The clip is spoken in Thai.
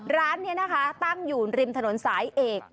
ร้านนี้นะคะตั้งอยู่ริมถนนสายเอก